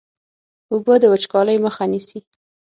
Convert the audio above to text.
اوبه د وچکالۍ مخه نیسي.